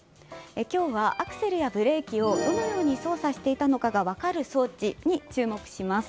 今日は、アクセルとブレーキとどのように操作していたのかが分かる装置に注目します。